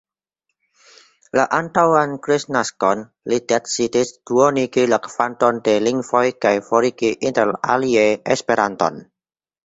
La antaŭan kristnaskon li decidis duonigi la kvanton de lingvoj kaj forigi interalie Esperanton.